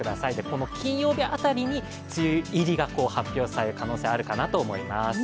この金曜日辺りに梅雨入りが発表される可能性があるかなと思います。